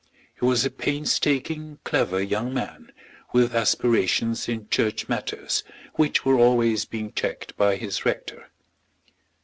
He was a painstaking, eager, clever young man, with aspirations in church matters, which were always being checked by his rector.